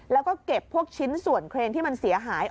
แล้วก็เก็บพวกชิ้นส่วนเครนที่มันเสียหาย